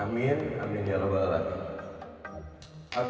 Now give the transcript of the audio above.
amin amin ya allah